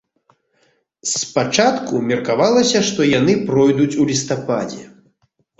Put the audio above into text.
Спачатку меркавалася, што яны пройдуць у лістападзе.